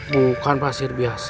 bukan pasir biasa